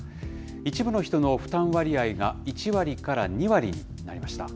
一部の人の負担割合が１割から２割になりました。